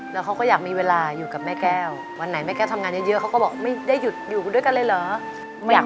แล้วเขาก็อยากมีเวลาอยู่กับแม่แก้ววันไหนแม่แก้วทำงานเยอะเขาก็บอกไม่ได้หยุดอยู่ด้วยกันเลยเหรอ